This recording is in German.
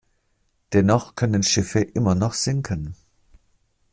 Dennoch können Schiffe immer noch sinken.